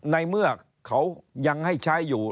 ในเมื่อเขายังให้ใช้อยู่